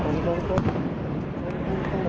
เพราะตอนนี้ก็ไม่มีเวลาให้เข้าไปที่นี่